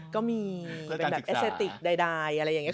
ก็มีอาจารย์ศึกษาแดดอะไรอย่างเงี้ย